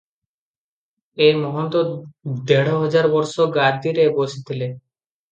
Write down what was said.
ଏ ମହନ୍ତ ଦେଢ଼ ହଜାର ବର୍ଷ ଗାଦିରେ ବସିଥିଲେ ।